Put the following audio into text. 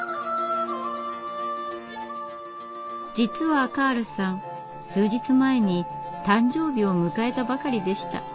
実はカールさん数日前に誕生日を迎えたばかりでした。